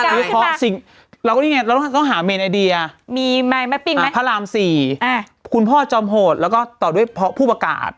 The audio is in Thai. อุ๊ยแองจี้เขียนใหญ่เลยนะคะ